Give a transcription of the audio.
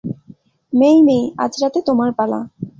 মেই-মেই, আজ রাতে তোমার পালা।